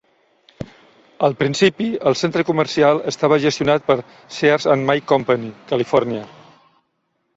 Al principi, el centre comercial estava gestionat per Sears and May Company California.